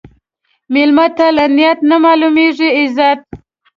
مېلمه ته له نیت نه معلومېږي عزت.